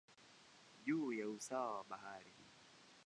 juu ya usawa wa bahari.